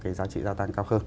cái giá trị gia tăng cao hơn